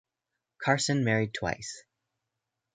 Carson married twice.